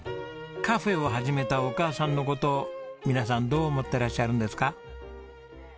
カフェを始めたお母さんの事皆さんどう思ってらっしゃるんですか？